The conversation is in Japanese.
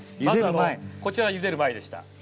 まずこちらゆでる前でした。